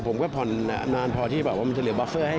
ผมก็ผ่อนนานพอที่แบบว่ามันจะเหลือบอฟเฟอร์ให้